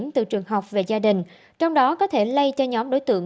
từ trường học về gia đình trong đó có thể lây cho nhóm đối tượng